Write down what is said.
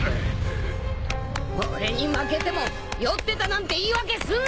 俺に負けても酔ってたなんて言い訳すんなよ！